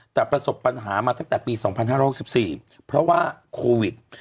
แต่ประสบปัญหามาตั้งแต่ปี๒๕๖๔เพราะว่าโควิด